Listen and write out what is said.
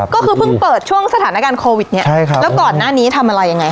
ก็คือเพิ่งเปิดช่วงสถานการณ์โควิดเนี่ยใช่ครับแล้วก่อนหน้านี้ทำอะไรยังไง